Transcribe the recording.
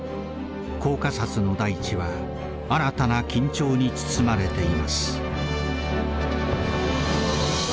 コーカサスの大地は新たな緊張に包まれています。